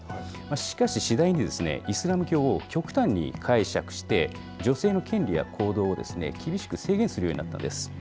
しかし、次第にイスラム教を極端に解釈して、女性の権利や行動を厳しく制限するようになったんです。